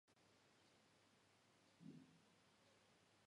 შედის ჯუნოს ოლქის შემადგენლობაში.